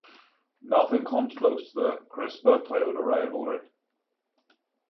Nothing comes close to the Crispa-Toyota Rivalry.